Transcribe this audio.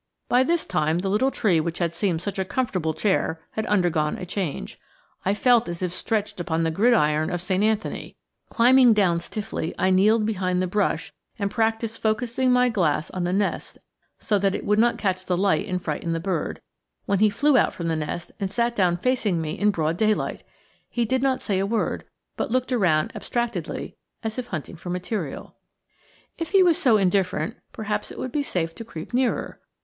By this time the little tree which had seemed such a comfortable chair had undergone a change I felt as if stretched upon the gridiron of St. Anthony. Climbing down stiffly, I kneeled behind the brush and practiced focusing my glass on the nest so that it would not catch the light and frighten the bird, when out he flew from the nest and sat down facing me in broad daylight! He did not say a word, but looked around abstractedly, as if hunting for material. If he were so indifferent, perhaps it would be safe to creep nearer.